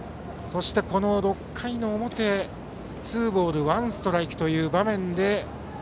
この６回の表ツーボールワンストライクの場面で。